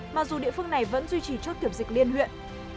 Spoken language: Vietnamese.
mặc dù địa phương này vẫn duy trì chốt kiểm dịch liên huyện